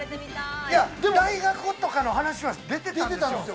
大学とかの話は出てたんですよ。